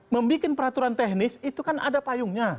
membuat peraturan teknis itu kan ada payungnya